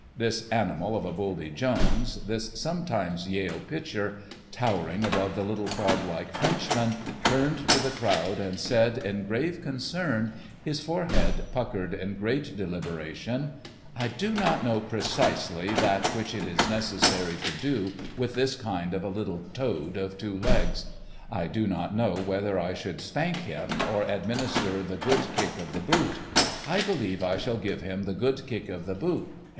"This Animal of a Buldy Jones," this sometime Yale pitcher, towering above the little frog like Frenchman, turned to the crowd, and said, in grave concern, his forehead puckered in great deliberation: "I do not know, precisely, that which it is necessary to do with this kind of a little toad of two legs. I do not know whether I should spank him or administer the good kick of the boot. I believe I shall give him the good kick of the boot.